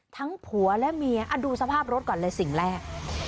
ผัวและเมียดูสภาพรถก่อนเลยสิ่งแรก